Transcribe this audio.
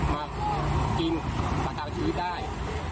มากินประกายชีวิตได้